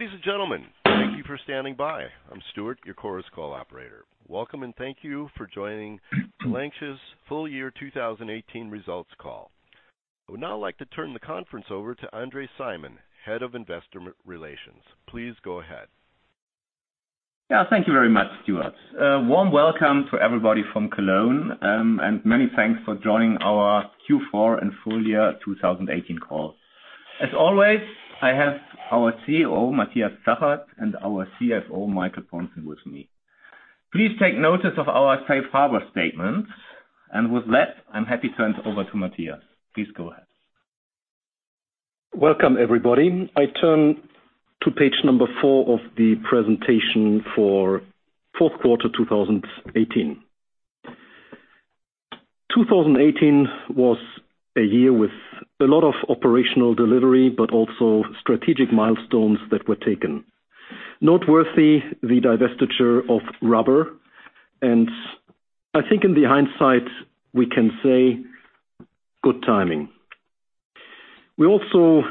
Ladies and gentlemen, thank you for standing by. I'm Stuart, your Chorus Call operator. Welcome, and thank you for joining LANXESS Full Year 2018 results call. I would now like to turn the conference over to André Simon, head of investor relations. Please go ahead. Thank you very much, Stuart. A warm welcome to everybody from Cologne, and many thanks for joining our Q4 and full year 2018 call. As always, I have our CEO, Matthias Zachert, and our CFO, Michael Pontzen, with me. Please take notice of our safe harbor statement. With that, I'm happy to hand over to Matthias. Please go ahead. Welcome, everybody. I turn to page four of the presentation for Q4 2018. 2018 was a year with a lot of operational delivery, but also strategic milestones that were taken. Noteworthy, the divestiture of Rubber, and I think in the hindsight, we can say, good timing. We also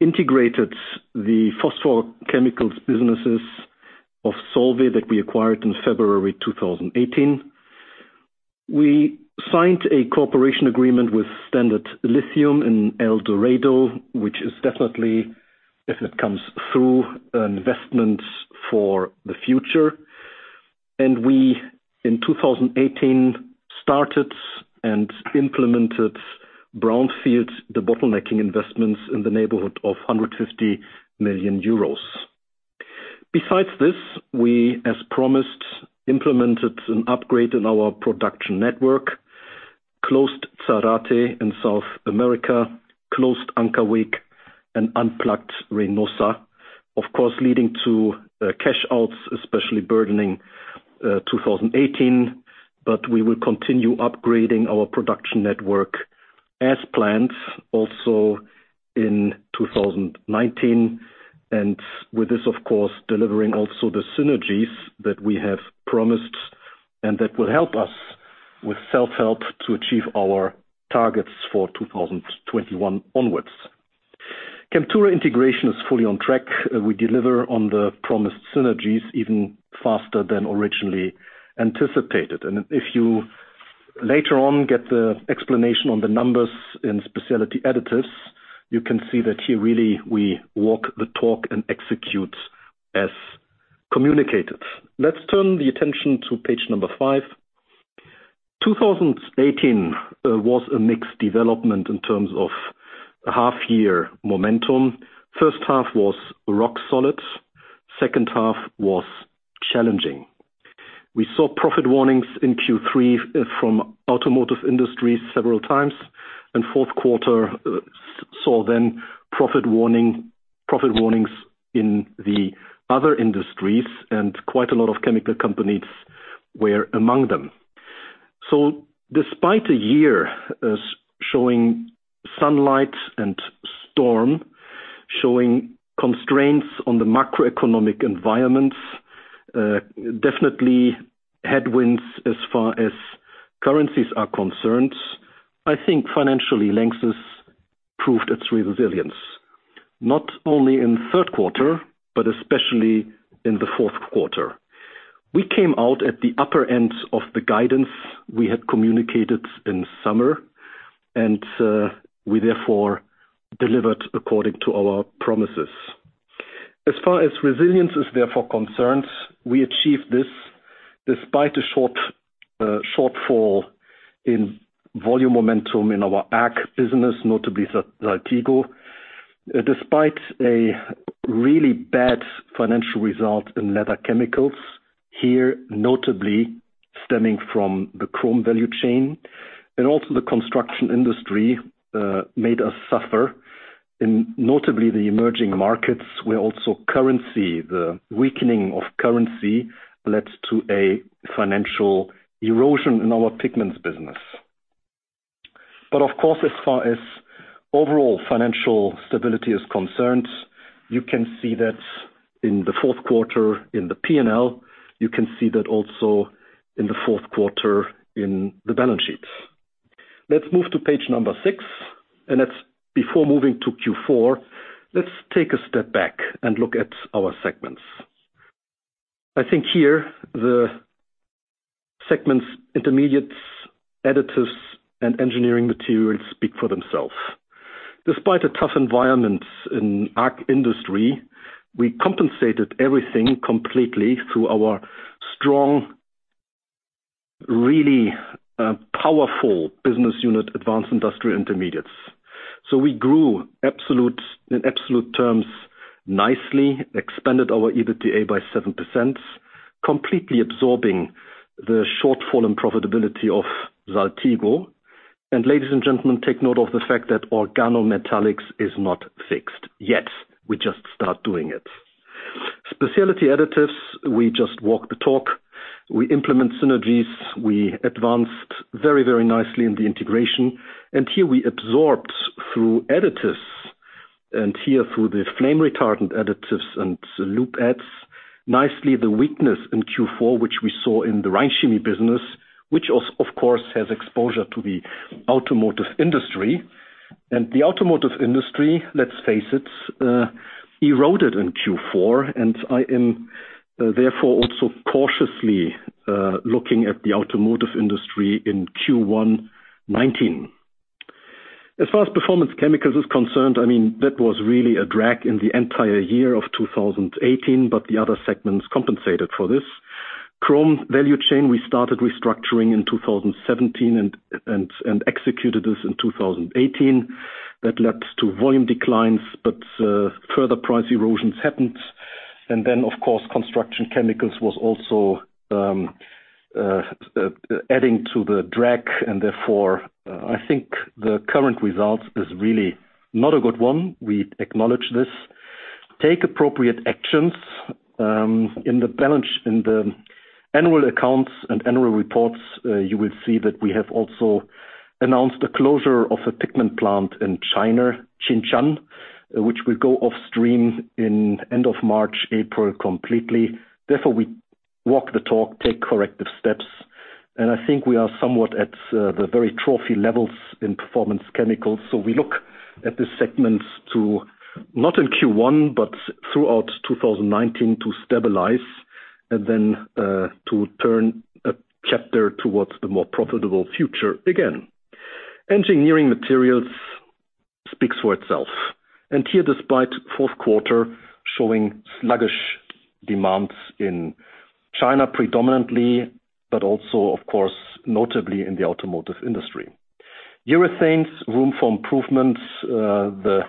integrated the phosphorus chemicals businesses of Solvay that we acquired in February 2018. We signed a cooperation agreement with Standard Lithium in El Dorado, which is definitely, if it comes through, an investment for the future. We, in 2018, started and implemented brownfield, debottlenecking investments in the neighborhood of 150 million euros. Besides this, we, as promised, implemented an upgrade in our production network, closed Zárate in South America, closed Ancy-le-Franc, and unplugged Reynosa, of course, leading to cash outs, especially burdening 2018. We will continue upgrading our production network as planned, also in 2019. With this, of course, delivering also the synergies that we have promised and that will help us with self-help to achieve our targets for 2021 onwards. Chemtura integration is fully on track. We deliver on the promised synergies even faster than originally anticipated. If you later on get the explanation on the numbers in Specialty Additives, you can see that here really we walk the talk and execute as communicated. Let's turn the attention to page five. 2018 was a mixed development in terms of half year momentum. H1 was rock solid, H2 was challenging. We saw profit warnings in Q3 from automotive industry several times, Q4 saw then profit warnings in the other industries, quite a lot of chemical companies were among them. Despite a year showing sunlight and storm, showing constraints on the macroeconomic environments, definitely headwinds as far as currencies are concerned, I think financially, LANXESS proved its resilience, not only in the Q3, but especially in the Q4. We came out at the upper end of the guidance we had communicated in summer, and we therefore delivered according to our promises. As far as resilience is therefore concerned, we achieved this despite a shortfall in volume momentum in our ag business, notably Saltigo. Despite a really bad financial result in leather chemicals, here, notably stemming from the chrome value chain, and also the construction industry, made us suffer in notably the emerging markets, where also currency, the weakening of currency, led to a financial erosion in our pigments business. Of course, as far as overall financial stability is concerned, you can see that in the Q4 in the P&L, you can see that also in the Q4 in the balance sheets. Let's move to page number six, and that's before moving to Q4, let's take a step back and look at our segments. I think here the segments, intermediates, additives, and engineering materials speak for themselves. Despite a tough environment in ag industry, we compensated everything completely through our strong, really powerful business unit, Advanced Industrial Intermediates. We grew in absolute terms nicely, expanded our EBITDA by 7%, completely absorbing the shortfall and profitability of Saltigo. Ladies and gentlemen, take note of the fact that Organometallics is not fixed yet. We just start doing it. Specialty Additives, we just walk the talk. We implement synergies. We advanced very, very nicely in the integration, and here we absorbed through additives, and here through the flame retardant additives and lube adds nicely the weakness in Q4, which we saw in the Rhein Chemie business, which of course, has exposure to the automotive industry. The automotive industry, let's face it, eroded in Q4, and I am therefore also cautiously looking at the automotive industry in Q1 2019. As far as Performance Chemicals is concerned, that was really a drag in the entire year of 2018, but the other segments compensated for this. Chrome value chain, we started restructuring in 2017 and executed this in 2018. That led to volume declines, but further price erosions happened. Of course, Construction Chemicals was also adding to the drag, and therefore, I think the current result is really not a good one. We acknowledge this. Take appropriate actions. In the annual accounts and annual reports, you will see that we have also announced the closure of a pigment plant in China, Xinxiang, which will go off stream in end of March, April completely. Therefore, we walk the talk, take corrective steps, and I think we are somewhat at the very trophy levels in Performance Chemicals. We look at this segment to, not in Q1, but throughout 2019, to stabilize and then to turn a chapter towards the more profitable future again. Engineering Materials speaks for itself, and here despite Q4 showing sluggish demands in China predominantly, but also, of course, notably in the automotive industry. Urethanes, room for improvements. The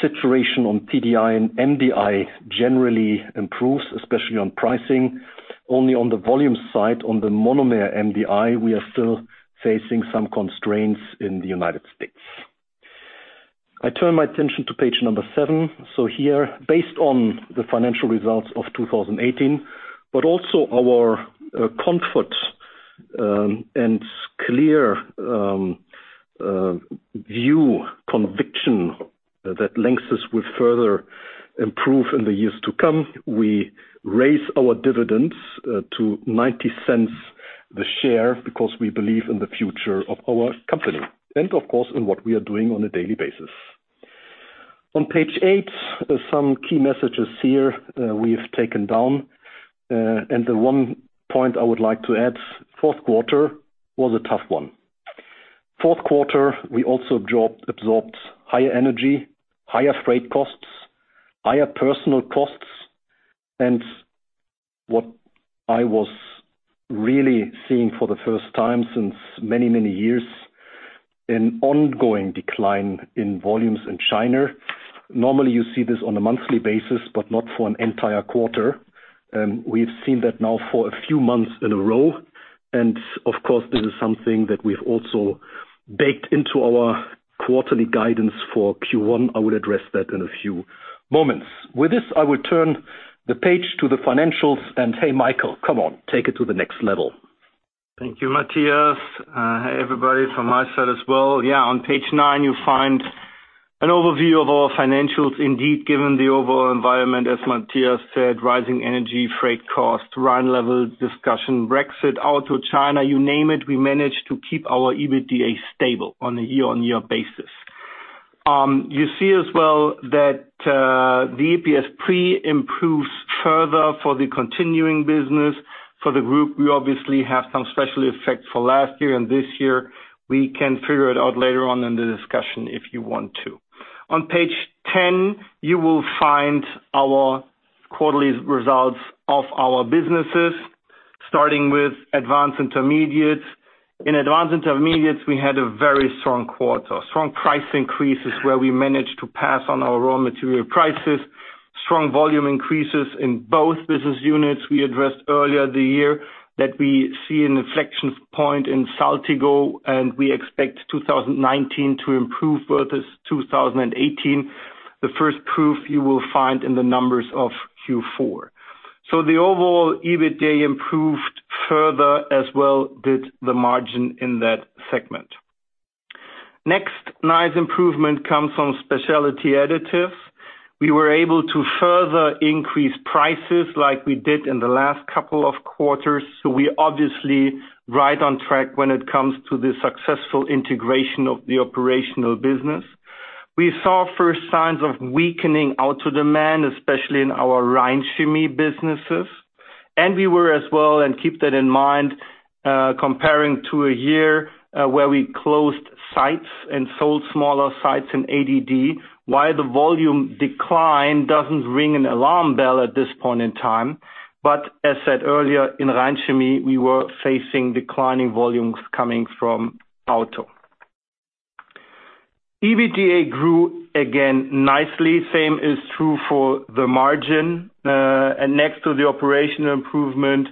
situation on TDI and MDI generally improves, especially on pricing. Only on the volume side, on the monomeric MDI, we are still facing some constraints in the U.S. I turn my attention to page seven. Here, based on the financial results of 2018, but also our comfort and clear view, conviction that LANXESS will further improve in the years to come. We raise our dividends to 0.90 the share because we believe in the future of our company and, of course, in what we are doing on a daily basis. On page eight are some key messages here we have taken down. The one point I would like to add, Q4 was a tough one. Q4, we also absorbed higher energy, higher freight costs, higher personal costs, and what I was really seeing for the first time since many, many years, an ongoing decline in volumes in China. Normally, you see this on a monthly basis, but not for an entire quarter. We've seen that now for a few months in a row, and of course, this is something that we've also baked into our quarterly guidance for Q1. I will address that in a few moments. With this, I will turn the page to the financials and hey, Michael, come on, take it to the next level. Thank you, Matthias. Hey, everybody from my side as well. On page nine, you find an overview of our financials. Indeed, given the overall environment, as Matthias said, rising energy, freight cost, Rhine level discussion, Brexit, auto, China, you name it, we managed to keep our EBITDA stable on a year-on-year basis. You see as well that the EPS pre-improves further for the continuing business. For the group, we obviously have some special effects for last year and this year. We can figure it out later on in the discussion if you want to. On page 10, you will find our quarterly results of our businesses, starting with Advanced Intermediates. In Advanced Intermediates, we had a very strong quarter. Strong price increases where we managed to pass on our raw material prices. Strong volume increases in both business units. We addressed earlier the year that we see an inflection point in Saltigo, and we expect 2019 to improve versus 2018. The first proof you will find in the numbers of Q4. The overall EBITDA improved further, as well did the margin in that segment. Next nice improvement comes from Specialty Additives. We were able to further increase prices like we did in the last couple of quarters. We obviously right on track when it comes to the successful integration of the operational business. We saw first signs of weakening auto demand, especially in our Rhein Chemie businesses. We were as well, and keep that in mind, comparing to a year where we closed sites and sold smaller sites in ADD, while the volume decline doesn't ring an alarm bell at this point in time. As said earlier, in Rhein Chemie, we were facing declining volumes coming from auto. EBITDA grew again nicely. Same is true for the margin. Next to the operational improvement,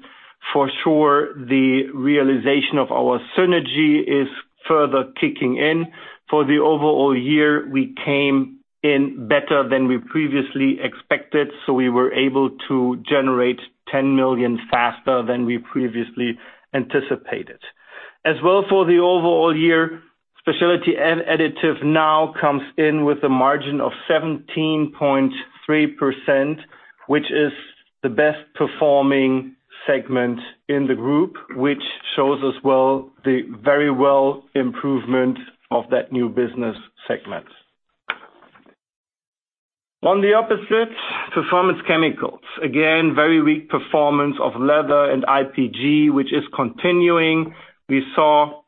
for sure the realization of our synergy is further kicking in. For the overall year, we came in better than we previously expected, so we were able to generate 10 million faster than we previously anticipated. For the overall year, Specialty Additives now comes in with a margin of 17.3%, which is the best performing segment in the group, which shows us well the very well improvement of that new business segment. On the opposite, Performance Chemicals. Again, very weak performance of leather and IPG, which is continuing. We saw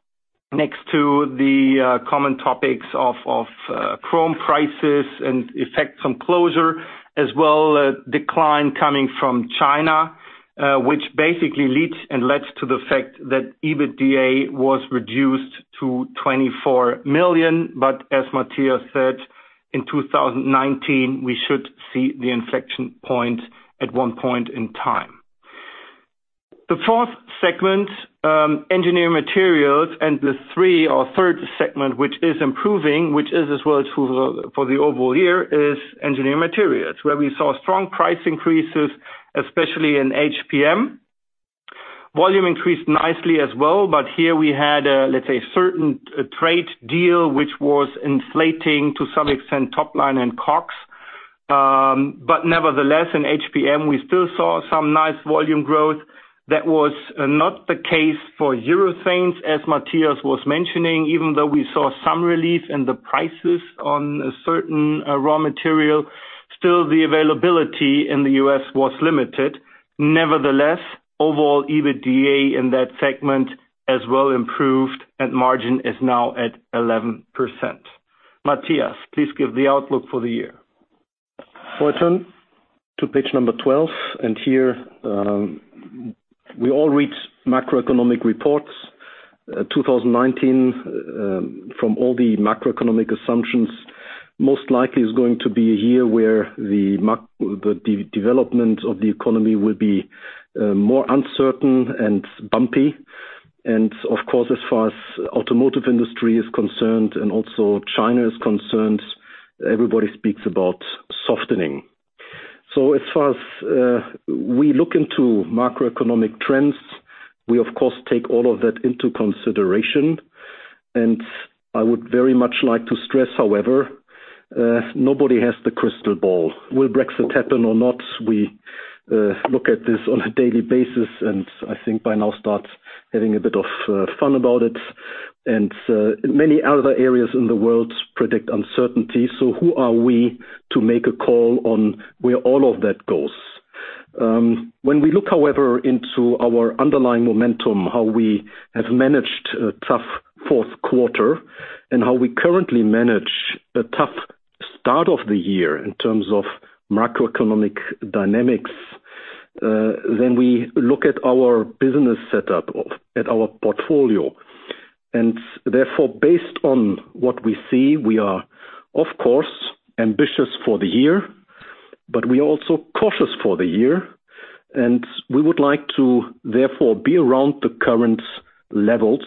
next to the common topics of chrome prices and effects from closure, a decline coming from China, which basically leads and led to the fact that EBITDA was reduced to 24 million. As Matthias Zachert said, in 2019, we should see the inflection point at one point in time. The fourth segment, Engineering Materials, and the three or third segment, which is improving, which is true for the overall year, is Engineering Materials. Where we saw strong price increases, especially in HPM. Volume increased nicely, but here we had a certain trade deal which was inflating to some extent top line and COGS. Nevertheless, in HPM, we still saw some nice volume growth that was not the case for Urethanes, as Matthias Zachert was mentioning. Even though we saw some relief in the prices on a certain raw material, still the availability in the U.S. was limited. Nevertheless, overall EBITDA in that segment improved and margin is now at 11%. Matthias Zachert, please give the outlook for the year. I turn to page 12. Here we all read macroeconomic reports. 2019, from all the macroeconomic assumptions, most likely is going to be a year where the development of the economy will be more uncertain and bumpy. Of course, as far as automotive industry is concerned and also China is concerned, everybody speaks about softening. As far as we look into macroeconomic trends, we of course take all of that into consideration. I would very much like to stress, however, nobody has the crystal ball. Will Brexit happen or not? We look at this on a daily basis, and I think by now start having a bit of fun about it. Many other areas in the world predict uncertainty, so who are we to make a call on where all of that goes? When we look, however, into our underlying momentum, how we have managed a tough Q4 and how we currently manage a tough start of the year in terms of macroeconomic dynamics, then we look at our business setup, at our portfolio. Therefore, based on what we see, we are of course ambitious for the year, but we are also cautious for the year, and we would like to therefore be around the current levels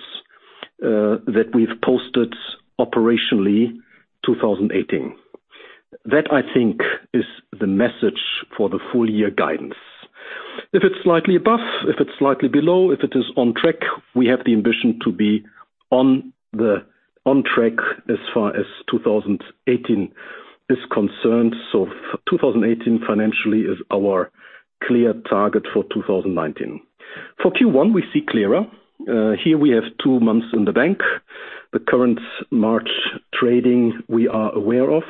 that we've posted operationally 2018. That, I think, is the message for the full year guidance. If it's slightly above, if it's slightly below, if it is on track, we have the ambition to be on track as far as 2018 is concerned. 2018 financially is our clear target for 2019. For Q1, we see clearer. Here we have two months in the bank. The current March trading we are aware of.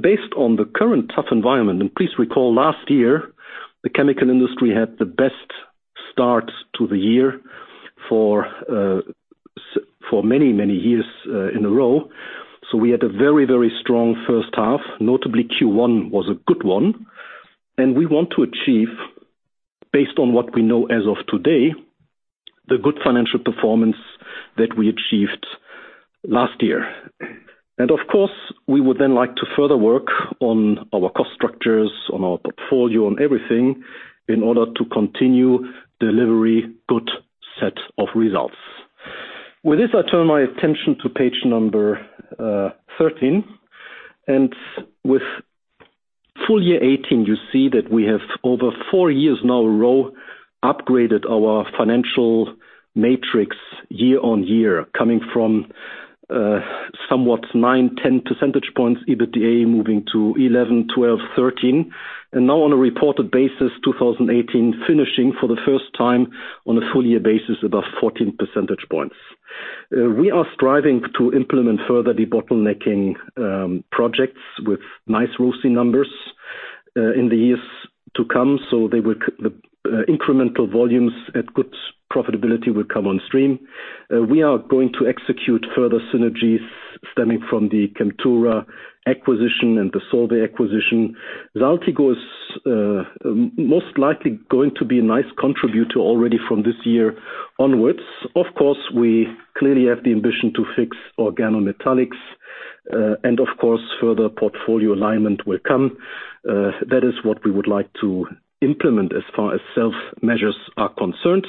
Based on the current tough environment, and please recall last year, the chemical industry had the best start to the year for many, many years in a row. We had a very, very strong H1. Notably Q1 was a good one. We want to achieve, based on what we know as of today, the good financial performance that we achieved last year. Of course, we would then like to further work on our cost structures, on our portfolio, on everything in order to continue delivering good set of results. With this, I turn my attention to page 13. With full year 2018, you see that we have over four years now in a row upgraded our financial matrix year-on-year, coming from somewhat nine, 10 percentage points EBITDA moving to 11, 12, 13, and now on a reported basis, 2018 finishing for the first time on a full year basis above 14 percentage points. We are striving to implement further debottlenecking projects with nice ROCE numbers in the years to come. The incremental volumes at good profitability will come on stream. We are going to execute further synergies stemming from the Chemtura acquisition and the Solvay acquisition. Saltigo is most likely going to be a nice contributor already from this year onwards. Of course, we clearly have the ambition to fix Organometallics. Of course, further portfolio alignment will come. That is what we would like to implement as far as self-measures are concerned.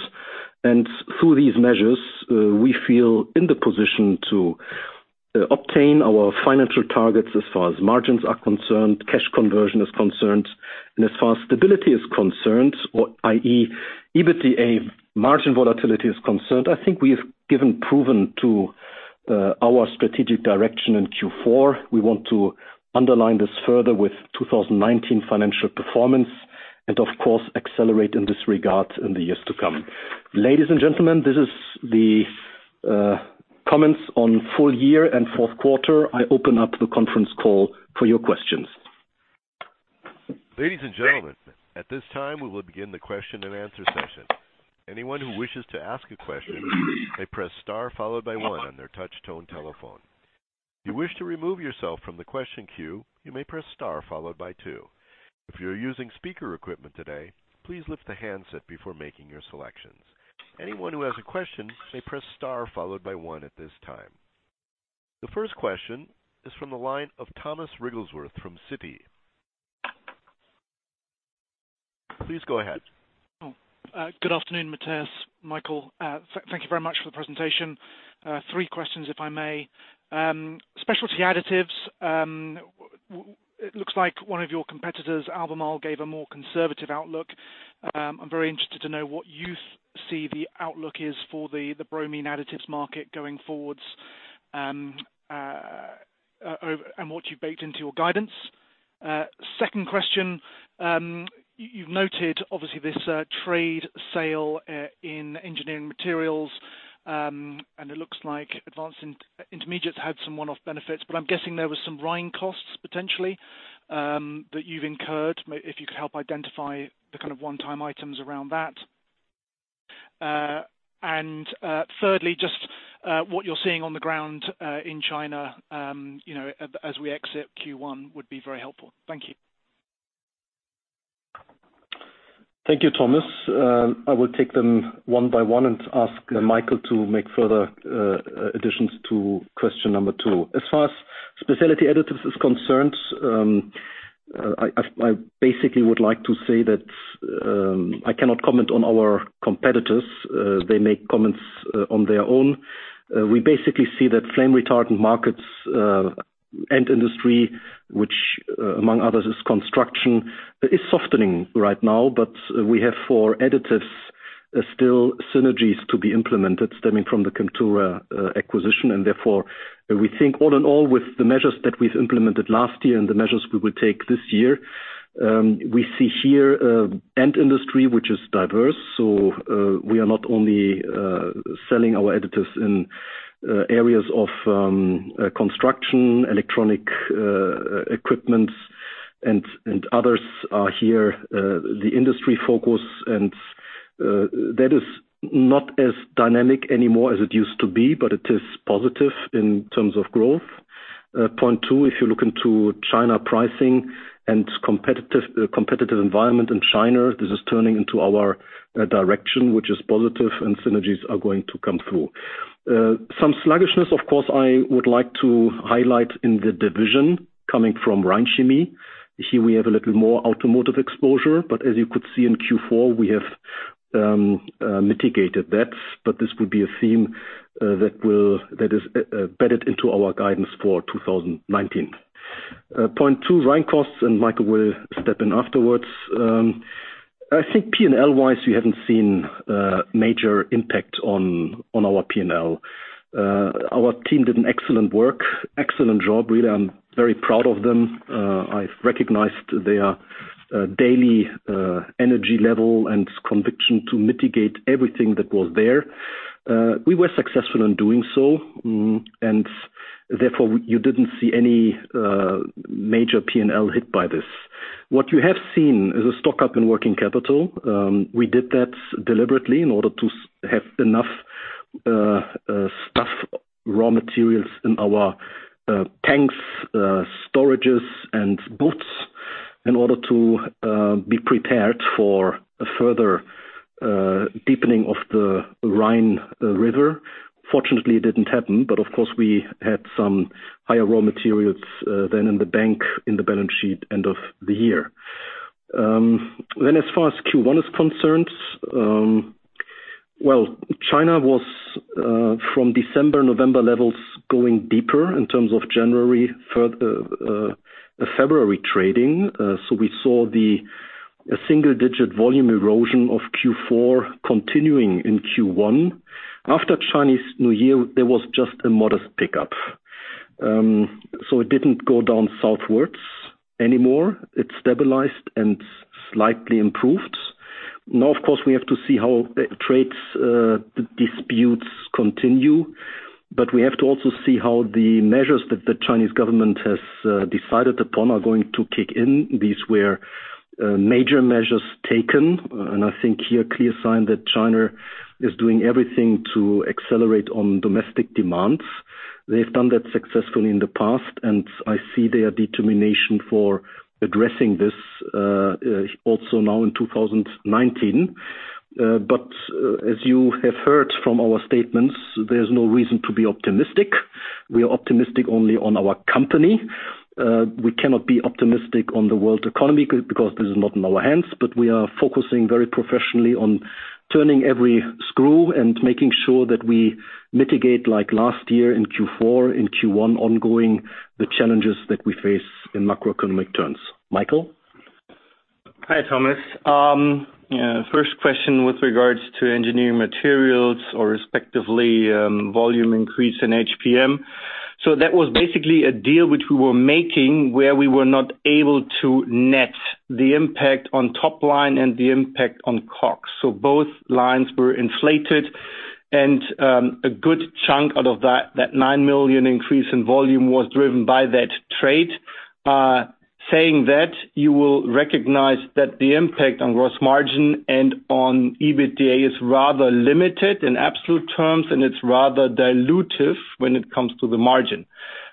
Through these measures, we feel in the position to obtain our financial targets as far as margins are concerned, cash conversion is concerned. As far as stability is concerned, i.e. EBITDA margin volatility is concerned, I think we have proven our strategic direction in Q4. We want to underline this further with 2019 financial performance and of course accelerate in this regard in the years to come. Ladies and gentlemen, this is the comments on full year and Q4. I open up the conference call for your questions. Ladies and gentlemen, at this time, we will begin the question and answer session. Anyone who wishes to ask a question may press star followed by one on their touch-tone telephone. If you wish to remove yourself from the question queue, you may press star followed by two. If you're using speaker equipment today, please lift the handset before making your selections. Anyone who has a question may press star followed by one at this time. The first question is from the line of Thomas Wrigglesworth from Citi. Please go ahead. Good afternoon, Matthias, Michael. Thank you very much for the presentation. Three questions, if I may. Specialty Additives. It looks like one of your competitors, Albemarle, gave a more conservative outlook. I'm very interested to know what you see the outlook is for the bromine additives market going forwards, and what you've baked into your guidance. Second question. You've noted, obviously, this trade sale in Engineering Materials, and it looks like Advanced Intermediates had some one-off benefits, but I'm guessing there was some Rhein costs potentially, that you've incurred, if you could help identify the kind of one-time items around that. Thirdly, just what you're seeing on the ground in China as we exit Q1 would be very helpful. Thank you. Thank you, Thomas. I will take them one by one and ask Michael to make further additions to question number two. As far as Specialty Additives is concerned, I basically would like to say that I cannot comment on our competitors. They make comments on their own. We basically see that flame retardant markets, end industry, which among others is construction, is softening right now. We have, for additives, still synergies to be implemented stemming from the Chemtura acquisition. Therefore, we think all in all, with the measures that we've implemented last year and the measures we will take this year, we see here end industry, which is diverse. We are not only selling our additives in areas of construction, electronic equipments and others are here. The industry focus and that is not as dynamic anymore as it used to be, it is positive in terms of growth. Point two, if you look into China pricing and competitive environment in China, this is turning into our direction, which is positive and synergies are going to come through. Some sluggishness, of course, I would like to highlight in the division coming from Rhein Chemie. Here we have a little more automotive exposure, as you could see in Q4, we have mitigated that. This would be a theme that is embedded into our guidance for 2019. Point two, Rhein costs, Michael will step in afterwards. I think P&L wise, we haven't seen major impact on our P&L. Our team did an excellent work, excellent job, really. I'm very proud of them. I've recognized their daily energy level and conviction to mitigate everything that was there. We were successful in doing so, therefore you didn't see any major P&L hit by this. What you have seen is a stock up in working capital. We did that deliberately in order to have enough stuff, raw materials in our tanks, storages, and boats in order to be prepared for a further deepening of the Rhine River. Fortunately, it didn't happen, but of course we had some higher raw materials than in the bank in the balance sheet end of the year. As far as Q1 is concerned, well, China was from December, November levels going deeper in terms of January, February trading. We saw the single-digit volume erosion of Q4 continuing in Q1. After Chinese New Year, there was just a modest pickup. It didn't go down southwards anymore. It stabilized and slightly improved. Of course, we have to see how trades disputes continue, we have to also see how the measures that the Chinese government has decided upon are going to kick in. These were major measures taken, I think here clear sign that China is doing everything to accelerate on domestic demands. They've done that successfully in the past, I see their determination for addressing this also now in 2019. As you have heard from our statements, there's no reason to be optimistic. We are optimistic only on our company. We cannot be optimistic on the world economy because this is not in our hands, we are focusing very professionally on turning every screw and making sure that we mitigate like last year in Q4 and Q1 ongoing the challenges that we face in macroeconomic terms. Michael? Hi, Thomas. First question with regards to Engineering Materials or respectively, volume increase in HPM. That was basically a deal which we were making where we were not able to net the impact on top line and the impact on COGS. Both lines were inflated, a good chunk out of that 9 million increase in volume was driven by that trade. Saying that, you will recognize that the impact on gross margin and on EBITDA is rather limited in absolute terms, it's rather dilutive when it comes to the margin.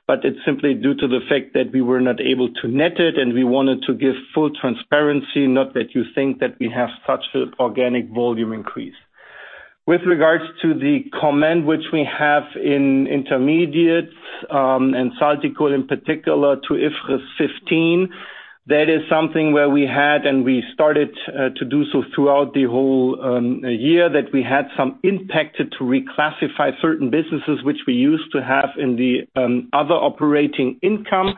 It's simply due to the fact that we were not able to net it, we wanted to give full transparency, not that you think that we have such a organic volume increase. With regards to the comment which we have in Intermediates, and Saltigo in particular to IFRS 15, that is something where we had and we started to do so throughout the whole year that we had some impact to reclassify certain businesses which we used to have in the other operating income.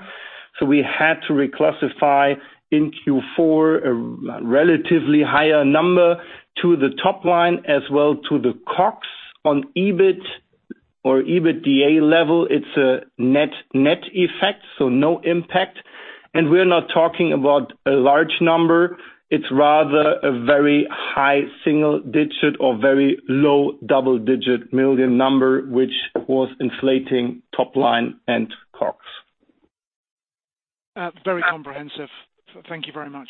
We had to reclassify in Q4 a relatively higher number to the top line as well to the COGS on EBIT or EBITDA level. It's a net effect, so no impact. We're not talking about a large number. It's rather a very high single-digit or very low double-digit million number, which was inflating top line and COGS. Very comprehensive. Thank you very much.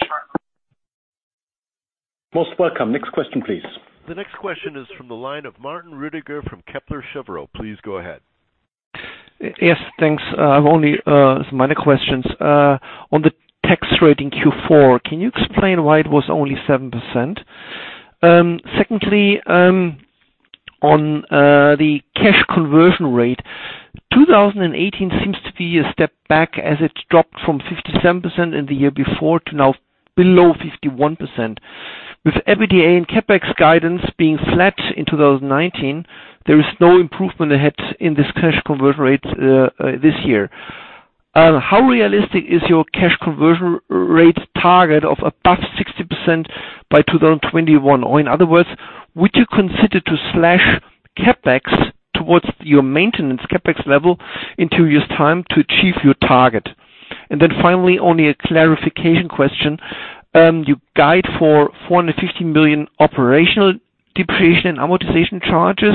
Most welcome. Next question, please. The next question is from the line of Martin Roediger from Kepler Cheuvreux. Please go ahead. Yes, thanks. I have only some minor questions. On the tax rate in Q4, can you explain why it was only 7%? Secondly, on the cash conversion rate, 2018 seems to be a step back as it dropped from 57% in the year before to now below 51%. With EBITDA and CapEx guidance being flat in 2019, there is no improvement ahead in this cash conversion rate this year. How realistic is your cash conversion rate target of above 60% by 2021? In other words, would you consider to slash CapEx towards your maintenance CapEx level in two years' time to achieve your target? Finally, only a clarification question. You guide for 450 million operational depreciation and amortization charges.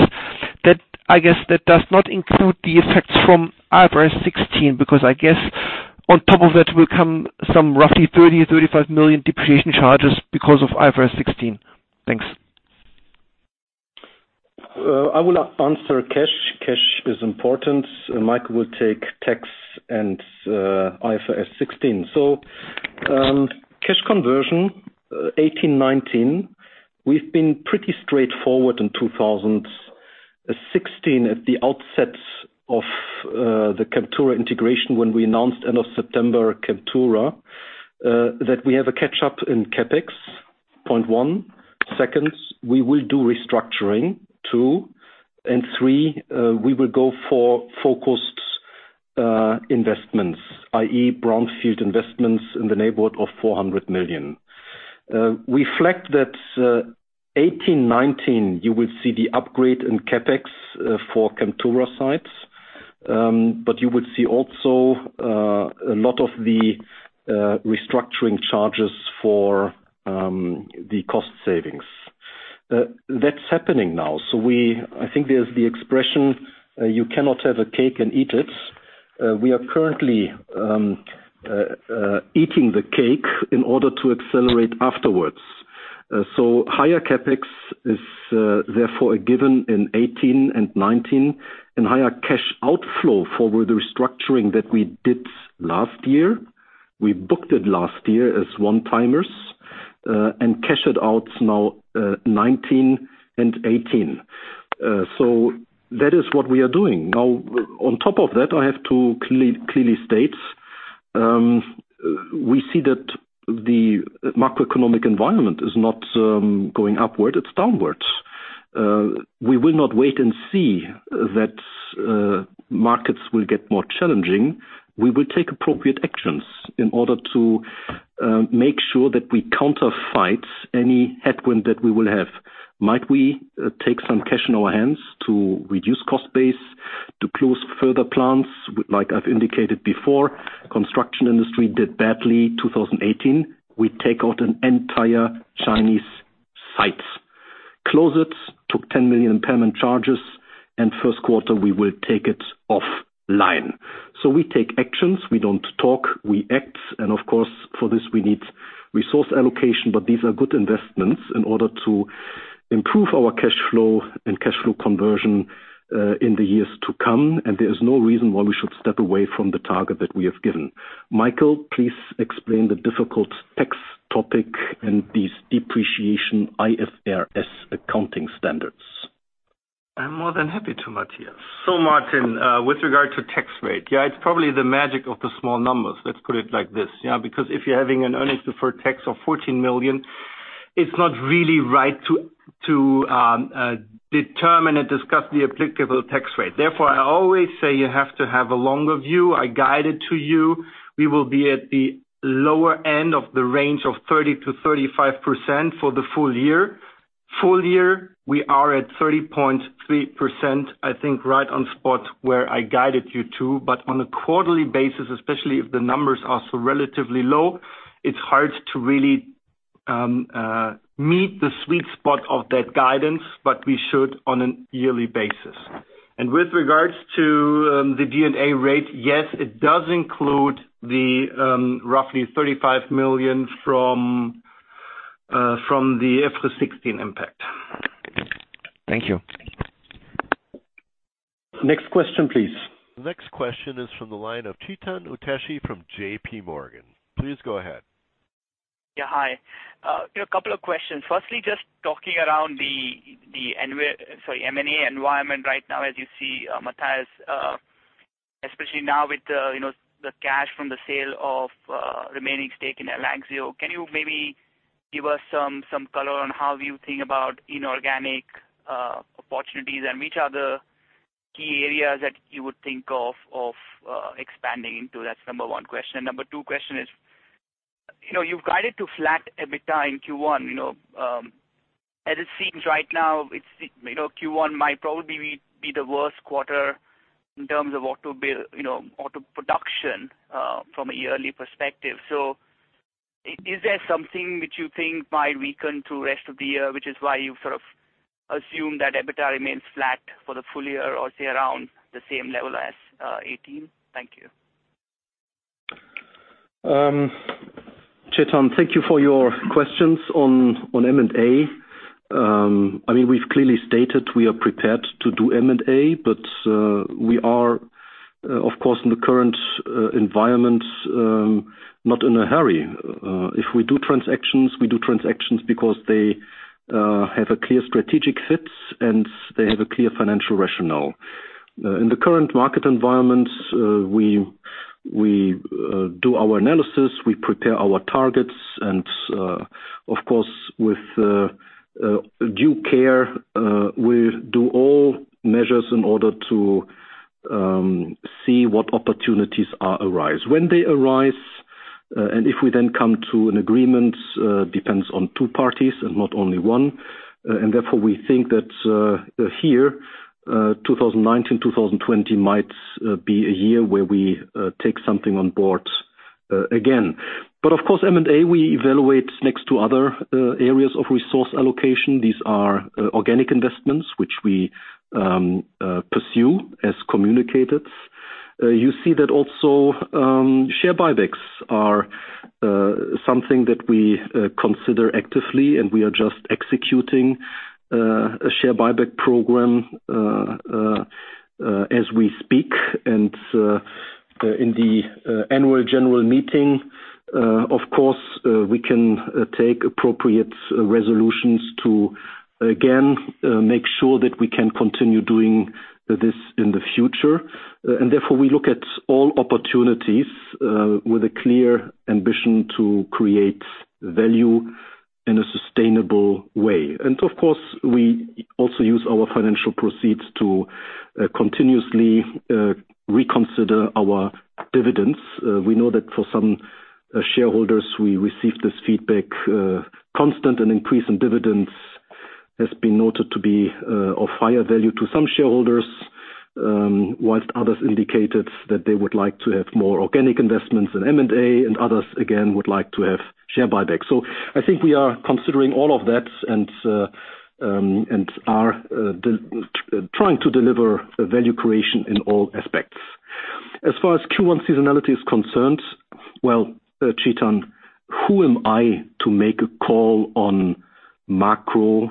I guess that does not include the effects from IFRS 16, because I guess on top of that will come some roughly 30 million-35 million depreciation charges because of IFRS 16. Thanks. I will answer cash. Cash is important. Michael will take tax and IFRS 16. Cash conversion 2018, 2019, we've been pretty straightforward in 2016 at the outset of the Chemtura integration when we announced end of September Chemtura, that we have a catch up in CapEx, point 1. Second, we will do restructuring, 2. 3, we will go for focused investments, i.e. brownfield investments in the neighborhood of 400 million. Reflect that 2018, 2019, you will see the upgrade in CapEx for Chemtura sites, but you will see also a lot of the restructuring charges for the cost savings. That's happening now. I think there's the expression, you cannot have a cake and eat it. We are currently eating the cake in order to accelerate afterwards. Higher CapEx is therefore a given in 2018 and 2019, and higher cash outflow for the restructuring that we did last year. We booked it last year as one-timers, and cash it out now 2019 and 2018. That is what we are doing. On top of that, I have to clearly state, we see that the macroeconomic environment is not going upward, it's downwards. We will not wait and see that markets will get more challenging. We will take appropriate actions in order to make sure that we counter fight any headwind that we will have. Might we take some cash in our hands to reduce cost base, to close further plants, like I've indicated before, construction industry did badly 2018. We take out an entire Chinese site. Closed it, took 10 million impairment charges, and Q1 we will take it off line. We take actions. We don't talk, we act. Of course, for this, we need resource allocation, but these are good investments in order to improve our cash flow and cash flow conversion in the years to come. There is no reason why we should step away from the target that we have given. Michael, please explain the difficult tax topic and these depreciation IFRS accounting standards. I'm more than happy to, Matthias. Martin, with regard to tax rate, it's probably the magic of the small numbers, let's put it like this. Because if you're having an earnings before tax of 14 million It's not really right to determine and discuss the applicable tax rate. I always say you have to have a longer view. I guide it to you. We will be at the lower end of the range of 30%-35% for the full year. Full year, we are at 30.3%, I think right on spot where I guided you to. On a quarterly basis, especially if the numbers are so relatively low, it's hard to really meet the sweet spot of that guidance, but we should on a yearly basis. With regards to the D&A rate, yes, it does include the roughly EUR 35 million from the IFRS 16 impact. Thank you. Next question, please. The next question is from the line of Chetan Udeshi from J.P. Morgan. Please go ahead. Yeah. Hi. A couple of questions. Firstly, just talking around the M&A environment right now as you see, Matthias, especially now with the cash from the sale of remaining stake in ARLANXEO. Can you maybe give us some color on how you think about inorganic opportunities and which are the key areas that you would think of expanding into? That's number one question. Number two question is, you've guided to flat EBITDA in Q1. As it seems right now, Q1 might probably be the worst quarter in terms of auto production from a yearly perspective. Is there something which you think might weaken through rest of the year, which is why you sort of assume that EBITDA remains flat for the full year or say around the same level as 2018? Thank you. Chetan, thank you for your questions on M&A. We've clearly stated we are prepared to do M&A, we are, of course, in the current environment, not in a hurry. If we do transactions, we do transactions because they have a clear strategic fit and they have a clear financial rationale. In the current market environment, we do our analysis, we prepare our targets, and, of course, with due care, we do all measures in order to see what opportunities arise. When they arise, and if we then come to an agreement, depends on two parties and not only one. Therefore, we think that here, 2019/2020 might be a year where we take something on board again. Of course, M&A, we evaluate next to other areas of resource allocation. These are organic investments which we pursue as communicated. You see that also share buybacks are something that we consider actively, we are just executing a share buyback program as we speak. In the annual general meeting, of course, we can take appropriate resolutions to, again, make sure that we can continue doing this in the future. Therefore, we look at all opportunities with a clear ambition to create value in a sustainable way. Of course, we also use our financial proceeds to continuously reconsider our dividends. We know that for some shareholders, we receive this feedback. Constant and increasing dividends has been noted to be of higher value to some shareholders, whilst others indicated that they would like to have more organic investments in M&A and others, again, would like to have share buybacks. I think we are considering all of that and are trying to deliver value creation in all aspects. As far as Q1 seasonality is concerned, well, Chetan, who am I to make a call on macro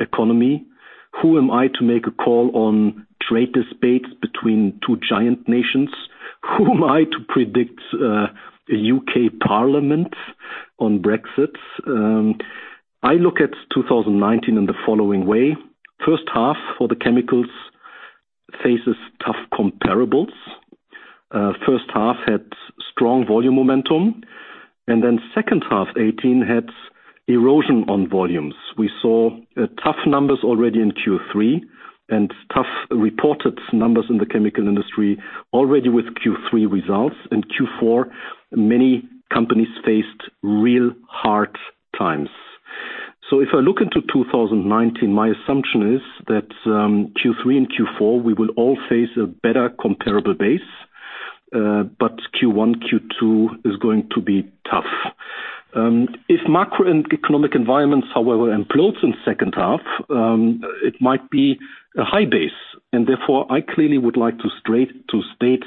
economy? Who am I to make a call on trade disputes between two giant nations? Who am I to predict a U.K. parliament on Brexit? I look at 2019 in the following way. H1 for the chemicals faces tough comparables. H1 had strong volume momentum, and then H2 2018 had erosion on volumes. We saw tough numbers already in Q3, and tough reported numbers in the chemical industry already with Q3 results. In Q4, many companies faced real hard times. If I look into 2019, my assumption is that Q3 and Q4, we will all face a better comparable base, but Q1, Q2 is going to be tough. If macro and economic environments, however, improves in H2, it might be a high base. Therefore, I clearly would like to state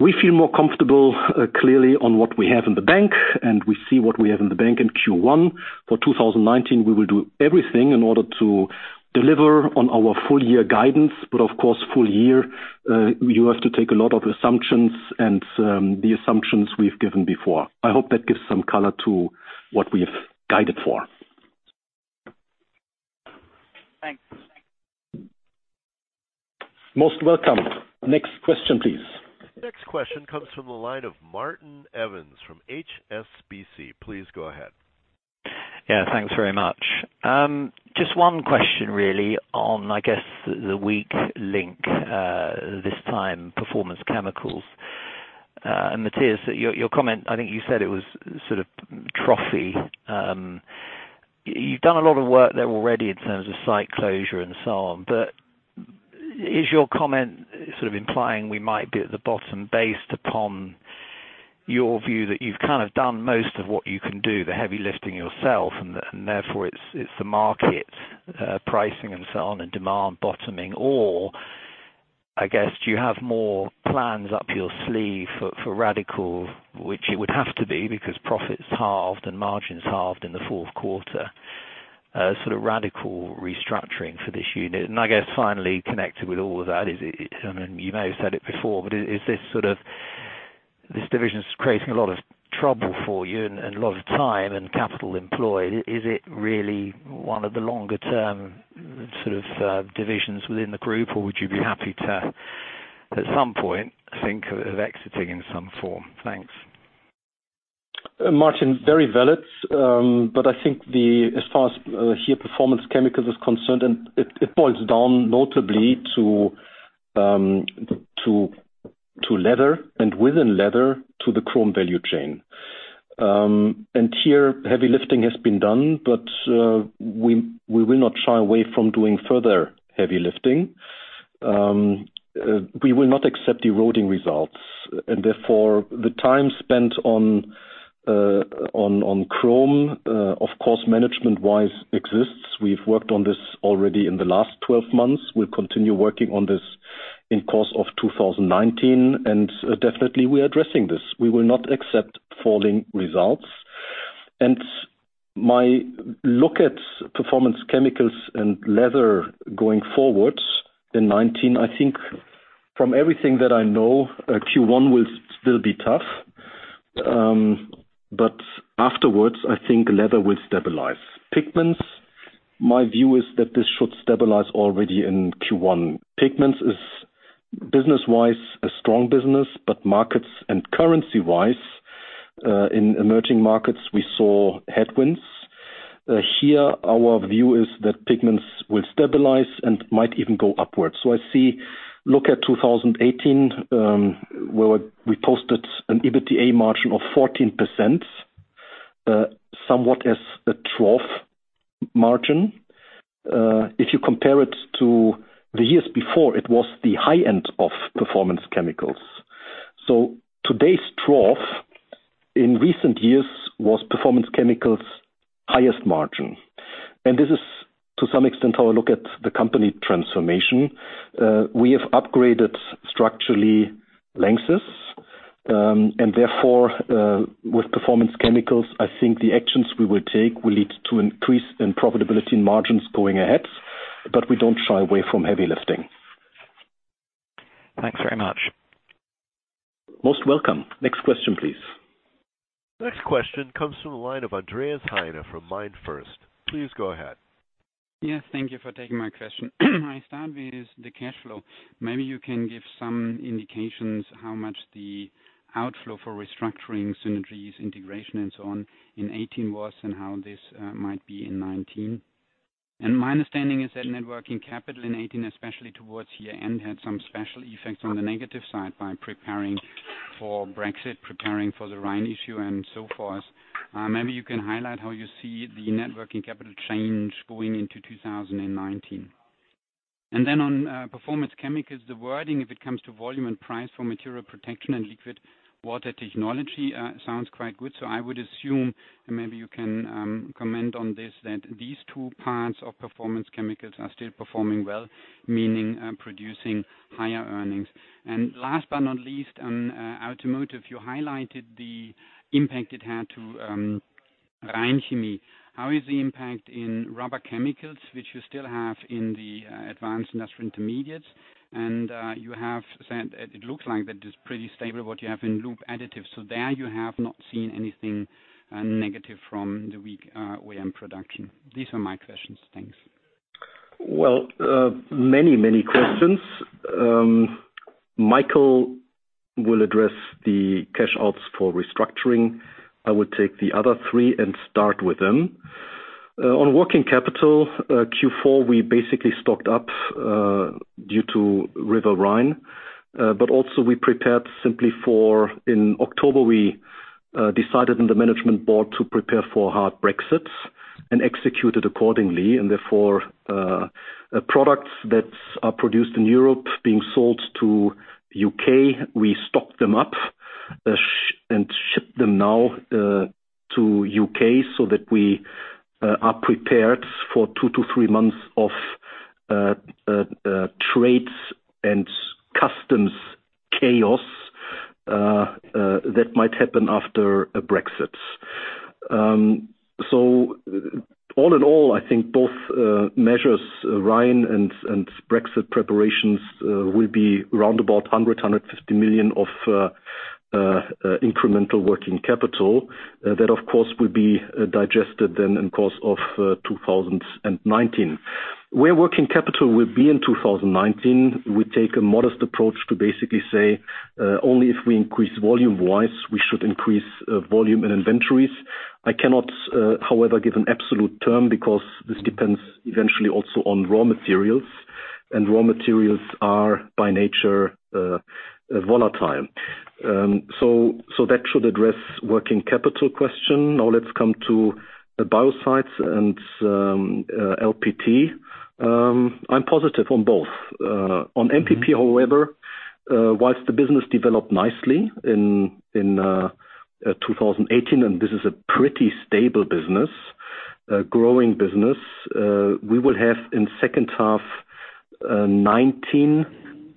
we feel more comfortable, clearly, on what we have in the bank, and we see what we have in the bank in Q1. For 2019, we will do everything in order to deliver on our full year guidance. Of course, full year, you have to take a lot of assumptions and the assumptions we've given before. I hope that gives some color to what we've guided for. Most welcome. Next question, please. Next question comes from the line of Martin Evans from HSBC. Please go ahead. Yeah, thanks very much. Just one question really on, I guess, the weak link this time, Performance Chemicals. Matthias, your comment, I think you said it was sort of trophy. You've done a lot of work there already in terms of site closure and so on, but is your comment sort of implying we might be at the bottom based upon your view that you've kind of done most of what you can do, the heavy lifting yourself, and therefore it's the market pricing and so on, and demand bottoming? Or, I guess, do you have more plans up your sleeve for radical, which it would have to be because profits halved and margins halved in the Q4, sort of radical restructuring for this unit? I guess finally connected with all of that is, you may have said it before, but is this division creating a lot of trouble for you and a lot of time and capital employed? Is it really one of the longer-term sort of divisions within the group, or would you be happy to, at some point, think of exiting in some form? Thanks. Martin, very valid. I think as far as here Performance Chemicals is concerned, and it boils down notably to leather, and within leather, to the chrome value chain. Here, heavy lifting has been done, but we will not shy away from doing further heavy lifting. We will not accept eroding results, and therefore, the time spent on chrome, of course, management-wise exists. We've worked on this already in the last 12 months. We'll continue working on this in the course of 2019, and definitely we are addressing this. We will not accept falling results. My look at Performance Chemicals and leather going forwards in 2019, I think from everything that I know, Q1 will still be tough. Afterwards, I think leather will stabilize. Pigments, my view is that this should stabilize already in Q1. Pigments is, business-wise, a strong business, but markets and currency-wise, in emerging markets, we saw headwinds. Here, our view is that pigments will stabilize and might even go upwards. I look at 2018, where we posted an EBITDA margin of 14%, somewhat as a trough margin. If you compare it to the years before, it was the high end of Performance Chemicals. Today's trough, in recent years, was Performance Chemicals' highest margin. This is, to some extent, how I look at the company transformation. We have upgraded structurally LANXESS, and therefore, with Performance Chemicals, I think the actions we will take will lead to increase in profitability and margins going ahead, but we don't shy away from heavy lifting. Thanks very much. Most welcome. Next question, please. Next question comes from the line of Andreas Heine from MainFirst. Please go ahead. Yes, thank you for taking my question. I start with the cash flow. Maybe you can give some indications how much the outflow for restructuring synergies, integration, and so on in 2018 was and how this might be in 2019. My understanding is that net working capital in 2018, especially towards year-end, had some special effects on the negative side by preparing for Brexit, preparing for the Rhine issue, and so forth. Maybe you can highlight how you see the net working capital change going into 2019. On Performance Chemicals, the wording, if it comes to volume and price for Material Protection and Liquid Purification Technologies sounds quite good. I would assume, and maybe you can comment on this, that these two parts of Performance Chemicals are still performing well, meaning producing higher earnings. Last but not least on automotive, you highlighted the impact it had to Rhein Chemie. How is the impact in rubber chemicals, which you still have in the Advanced Industrial Intermediates? You have said it looks like that is pretty stable, what you have in lube additives. There you have not seen anything negative from the weak OEM production. These are my questions. Thanks. Many questions. Michael Pontzen will address the cash outs for restructuring. I will take the other three and start with them. On working capital, Q4, we basically stocked up due to River Rhine. Also we prepared for in October, we decided in the management board to prepare for hard Brexit and executed accordingly, and therefore, products that are produced in Europe being sold to U.K., we stock them up and ship them now to U.K. so that we are prepared for two to three months of trades and customs chaos that might happen after Brexit. All in all, I think both measures, Rhine and Brexit preparations, will be roundabout 100 million-150 million of incremental working capital. That of course, will be digested in course of 2019. Where working capital will be in 2019, we take a modest approach to basically say, only if we increase volume-wise, we should increase volume in inventories. I cannot, however, give an absolute term because this depends eventually also on raw materials, and raw materials are by nature, volatile. That should address working capital question. Let's come to the bioscience and LPT. I'm positive on both. On MPP however, whilst the business developed nicely in 2018, and this is a pretty stable business, a growing business, we will have in H2 2019,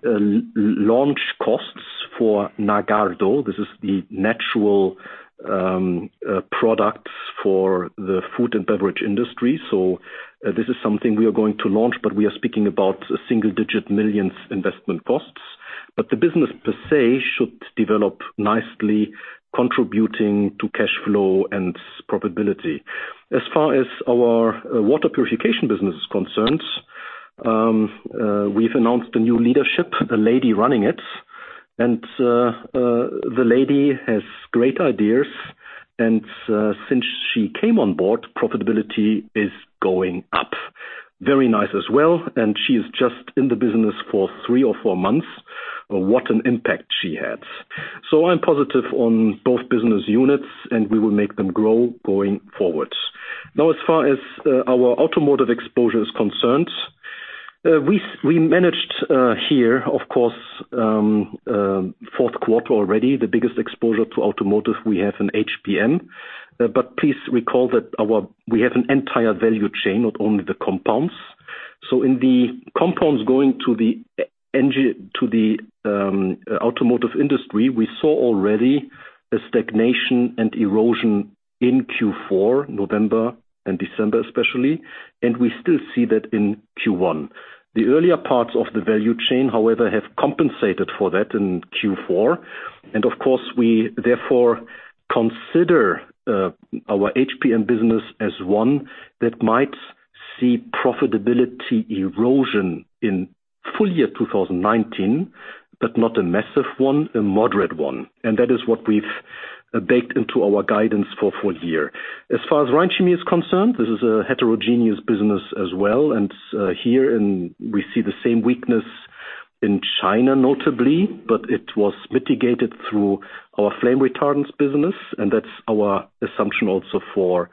launch costs for Nagardo. This is the natural products for the food and beverage industry. This is something we are going to launch, but we are speaking about single-digit millions EUR investment costs. The business per se should develop nicely, contributing to cash flow and profitability. As far as our water purification business is concerned, we've announced a new leadership, a lady running it, and the lady has great ideas. Since she came on board, profitability is going up very nice as well, and she is just in the business for three or four months. What an impact she has. I'm positive on both business units, and we will make them grow going forward. As far as our automotive exposure is concerned, we managed here, of course, Q4 already, the biggest exposure to automotive we have in HPM. Please recall that we have an entire value chain, not only the compounds. In the compounds going to the automotive industry, we saw already a stagnation and erosion in Q4, November and December especially. We still see that in Q1. The earlier parts of the value chain, however, have compensated for that in Q4. Of course, we therefore consider our HPM business as one that might see profitability erosion in full year 2019, not a massive one, a moderate one. That is what we've baked into our guidance for full year. As far as Rhein Chemie is concerned, this is a heterogeneous business as well, and here we see the same weakness in China notably, it was mitigated through our flame retardants business, and that's our assumption also for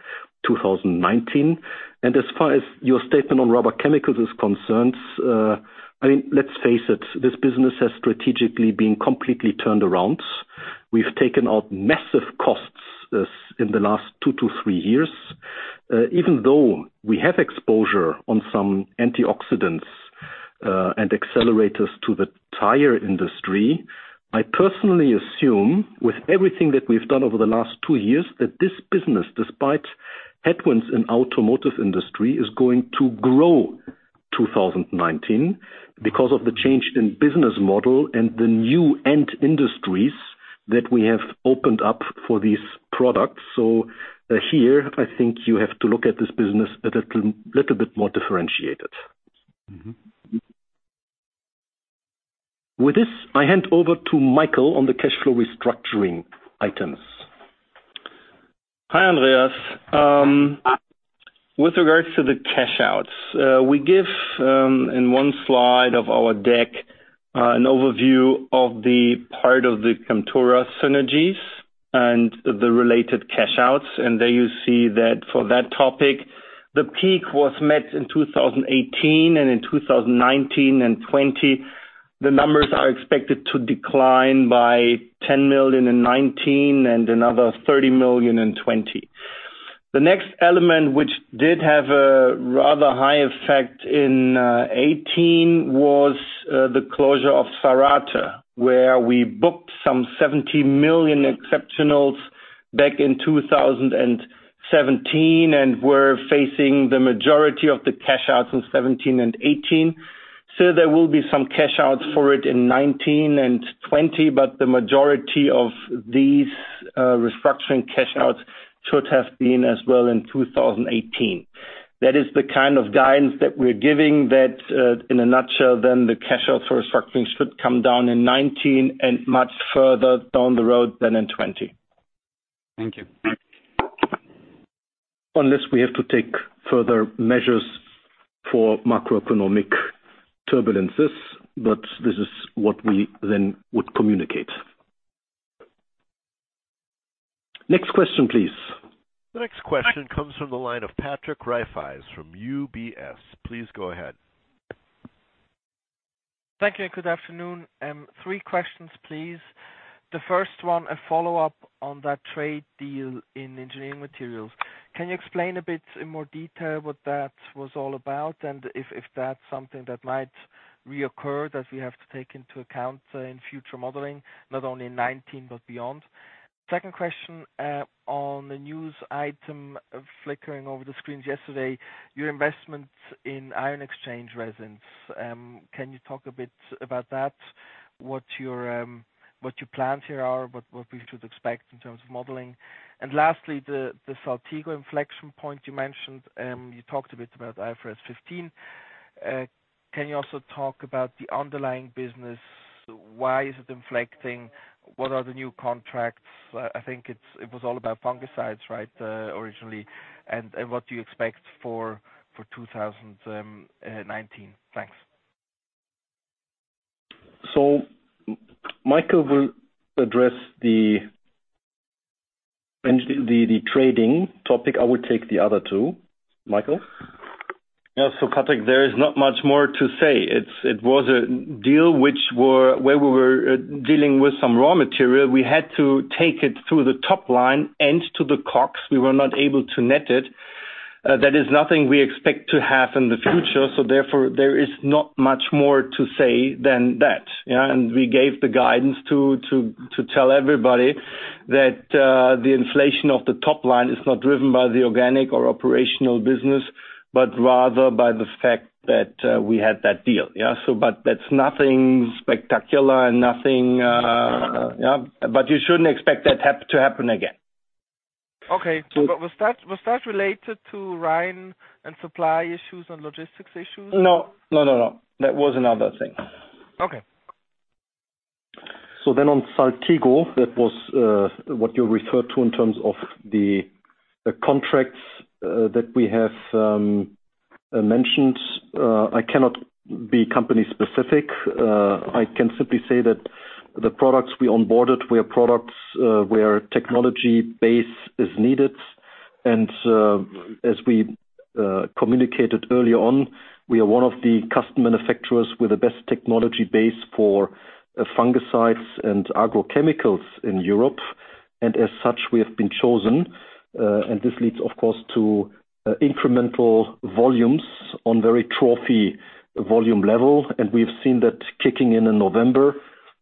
2019. As far as your statement on rubber chemicals is concerned, let's face it, this business has strategically been completely turned around. We've taken out massive costs in the last two to three years. Even though we have exposure on some antioxidants and accelerators to the tire industry, I personally assume with everything that we've done over the last two years, that this business, despite headwinds in automotive industry, is going to grow 2019 because of the change in business model and the new end industries that we have opened up for these products. Here, I think you have to look at this business a little bit more differentiated. With this, I hand over to Michael on the cash flow restructuring items. Hi, Andreas. With regards to the cash outs, we give in one slide of our deck, an overview of the part of the Chemtura synergies and the related cash outs. There you see that for that topic, the peak was met in 2018, and in 2019 and 2020, the numbers are expected to decline by 10 million in 2019 and another 30 million in 2020. The next element which did have a rather high effect in 2018 was the closure of Zárate, where we booked some 70 million exceptionals back in 2017 and were facing the majority of the cash outs in 2017 and 2018. There will be some cash outs for it in 2019 and 2020, but the majority of these restructuring cash outs should have been as well in 2018. That is the kind of guidance that we're giving that in a nutshell, the cash outs for restructuring should come down in 2019 and much further down the road than in 2020. Thank you. Unless we have to take further measures for macroeconomic turbulences, this is what we then would communicate. Next question, please. The next question comes from the line of Patrick Rafaisz from UBS. Please go ahead. Thank you. Good afternoon. Three questions, please. The first one, a follow-up on that trade deal in Engineering Materials. Can you explain a bit in more detail what that was all about, and if that's something that might reoccur that we have to take into account in future modeling, not only in 2019 but beyond? Second question on the news item flickering over the screens yesterday, your investment in ion exchange resins. Can you talk a bit about that? What your plans here are, what we should expect in terms of modeling. Lastly, the Saltigo inflection point you mentioned, you talked a bit about IFRS 15. Can you also talk about the underlying business? Why is it inflecting? What are the new contracts? I think it was all about fungicides, right? Originally. What do you expect for 2019? Thanks. Michael will address the trading topic. I will take the other two. Michael? Patrick, there is not much more to say. It was a deal where we were dealing with some raw material. We had to take it through the top line and to the COGS. We were not able to net it. That is nothing we expect to have in the future. Therefore, there is not much more to say than that. We gave the guidance to tell everybody that the inflation of the top line is not driven by the organic or operational business, but rather by the fact that we had that deal. That's nothing spectacular. You shouldn't expect that to happen again. Okay. Was that related to Rhine and supply issues and logistics issues? No. That was another thing. Okay. On Saltigo, that was what you referred to in terms of the contracts that we have mentioned. I cannot be company specific. I can simply say that the products we onboarded were products where technology base is needed. As we communicated early on, we are one of the custom manufacturers with the best technology base for fungicides and agrochemicals in Europe. As such, we have been chosen. This leads, of course, to incremental volumes on very trophy volume level. We have seen that kicking in in November.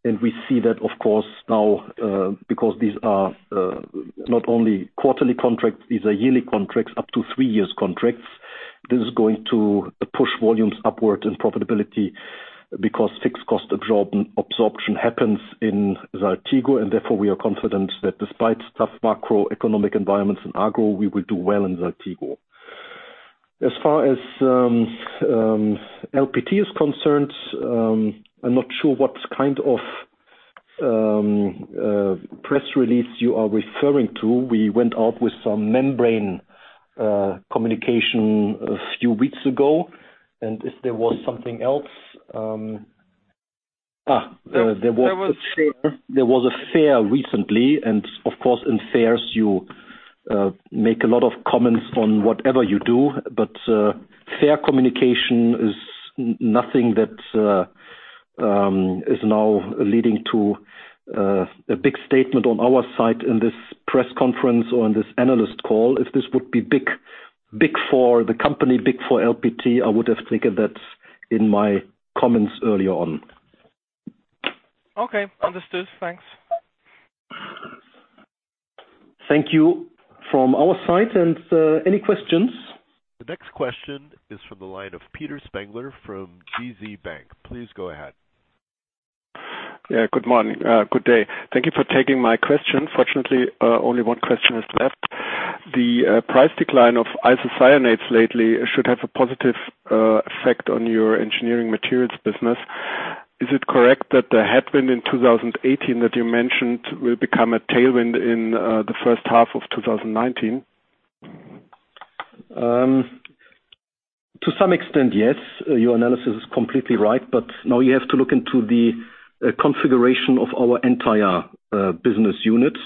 We see that, of course, now because these are not only quarterly contracts, these are yearly contracts, up to three years contracts. This is going to push volumes upward in profitability because fixed cost absorption happens in Saltigo, therefore we are confident that despite tough macroeconomic environments in agro, we will do well in Saltigo. As far as LPT is concerned, I'm not sure what kind of press release you are referring to. We went out with some membrane communication a few weeks ago. If there was something else. There was. There was a fair recently. Of course at fairs you make a lot of comments on whatever you do. Fair communication is nothing that is now leading to a big statement on our side in this press conference or on this analyst call. If this would be big for the company, big for LPT, I would have taken that in my comments earlier on. Okay. Understood. Thanks. Thank you from our side. Any questions? The next question is from the line of Peter Spengler from DZ Bank. Please go ahead. Good morning. Good day. Thank you for taking my question. Fortunately, only one question is left. The price decline of isocyanates lately should have a positive effect on your Engineering Materials business. Is it correct that the headwind in 2018 that you mentioned will become a tailwind in the H1 of 2019? To some extent, yes. Your analysis is completely right. Now you have to look into the configuration of our entire business unit.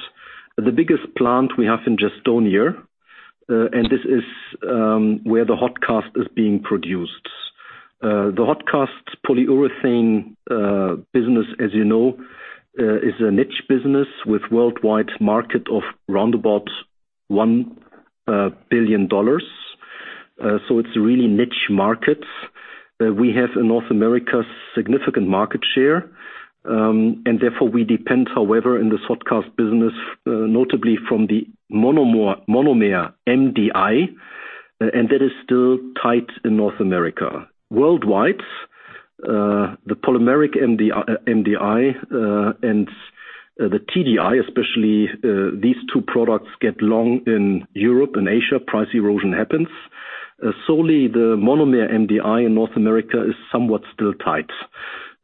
The biggest plant we have in Gastonia, and this is where the HotCast is being produced. The HotCast polyurethane business, as you know, is a niche business with worldwide market of roundabout $1 billion. It's a really niche market. We have in North America, significant market share. Therefore we depend, however, in this HotCast business, notably from the monomeric MDI, and that is still tight in North America. Worldwide, the polymeric MDI, and the TDI especially, these two products get long in Europe and Asia, price erosion happens. Solely the monomeric MDI in North America is somewhat still tight.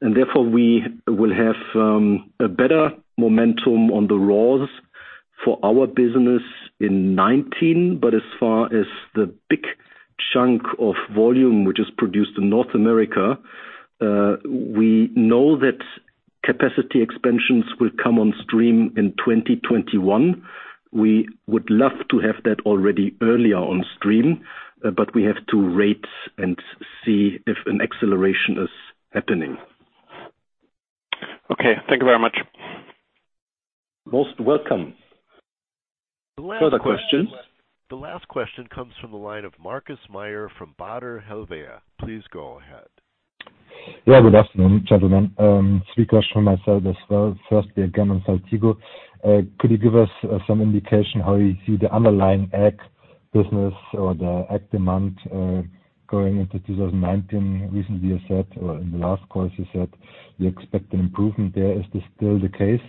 Therefore we will have a better momentum on the raws for our business in 2019. As far as the big chunk of volume, which is produced in North America, we know that capacity expansions will come on stream in 2021. We would love to have that already earlier on stream, but we have to wait and see if an acceleration is happening. Okay. Thank you very much. Most welcome. Further questions? The last question comes from the line of Markus Mayer from Baader Helvea. Please go ahead. Yeah. Good afternoon, gentlemen. Three questions from myself as well. Firstly, again, on Saltigo. Could you give us some indication how you see the underlying ag business or the ag demand, going into 2019? Recently you said, or in the last call you said you expect an improvement there. Is this still the case?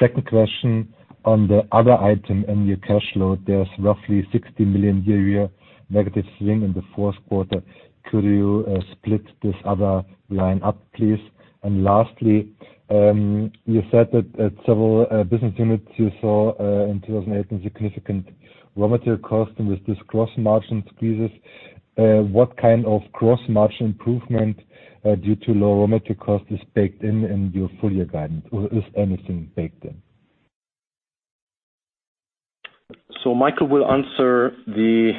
Second question on the other item in your cash load, there's roughly 60 million year-over-year negative swing in the Q4. Could you split this other line up, please? Lastly, you said that at several business units you saw, in 2018, significant raw material cost and with this gross margin squeezes. What kind of gross margin improvement, due to low raw material cost, is baked in in your full year guidance? Is anything baked in? Michael will answer the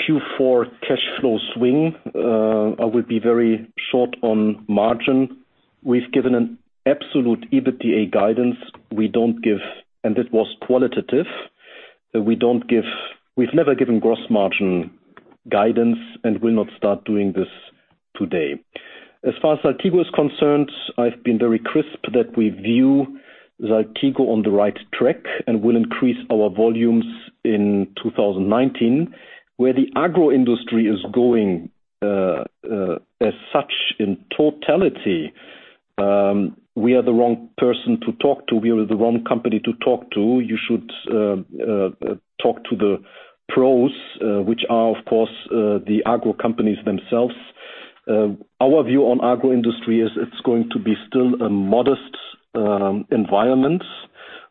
Q4 cash flow swing. I will be very short on margin. We've given an absolute EBITDA guidance. It was qualitative. We've never given gross margin guidance and will not start doing this today. As far as Saltigo is concerned, I've been very crisp that we view Saltigo on the right track and will increase our volumes in 2019. Where the agro industry is going, as such in totality, we are the wrong person to talk to. We are the wrong company to talk to. You should talk to the pros, which are, of course, the agro companies themselves. Our view on agro industry is it's going to be still a modest environment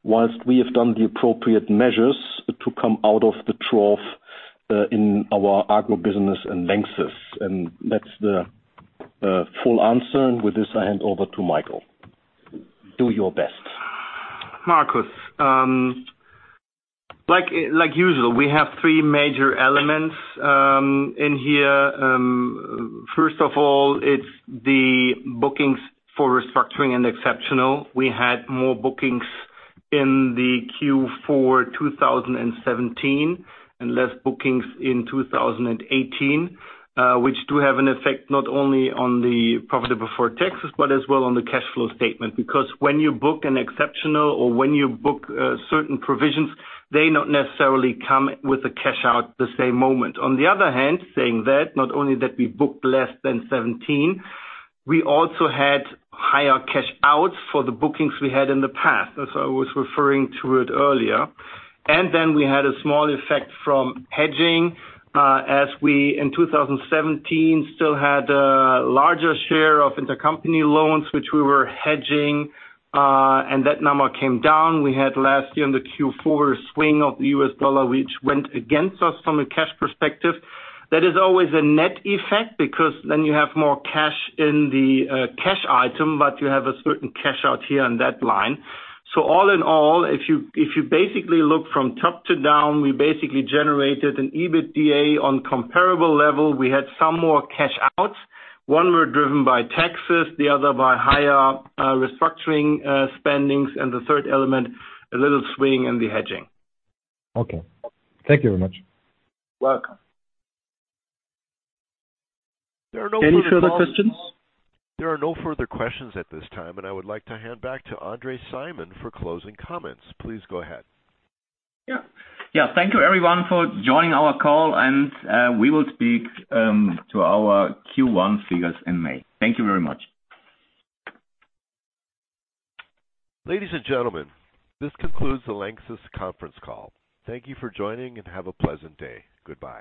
whilst we have done the appropriate measures to come out of the trough in our agro business in LANXESS. That's the full answer. With this, I hand over to Michael. Do your best. Markus, like usual, we have three major elements in here. First of all, it's the bookings for restructuring and exceptionals. We had more bookings in the Q4 2017 and less bookings in 2018, which do have an effect not only on the profit before taxes, but as well on the cash flow statement. Because when you book an exceptional or when you book certain provisions, they not necessarily come with a cash out the same moment. On the other hand, saying that, not only that we booked less than 2017, we also had higher cash outs for the bookings we had in the past, as I was referring to it earlier. Then we had a small effect from hedging, as we in 2017 still had a larger share of intercompany loans, which we were hedging, and that number came down. We had last year in the Q4 a swing of the U.S. dollar, which went against us from a cash perspective. That is always a net effect because then you have more cash in the cash item, but you have a certain cash out here on that line. All in all, if you basically look from top to down, we basically generated an EBITDA on comparable level. We had some more cash outs. One were driven by taxes, the other by higher restructuring spendings, and the third element, a little swing in the hedging. Okay. Thank you very much. Welcome. Any further questions? There are no further questions at this time, I would like to hand back to André Simon for closing comments. Please go ahead. Yeah. Thank you everyone for joining our call, and we will speak to our Q1 figures in May. Thank you very much. Ladies and gentlemen, this concludes the LANXESS conference call. Thank you for joining and have a pleasant day. Goodbye.